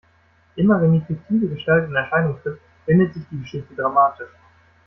Immer wenn die fiktive Gestalt in Erscheinung tritt, wendet sich die Geschichte dramatisch.